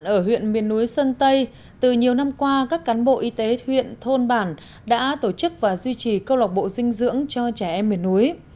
ở huyện miền núi sơn tây từ nhiều năm qua các cán bộ y tế huyện thôn bản đã tổ chức và duy trì câu lọc bộ dinh dưỡng cho trẻ em miền núi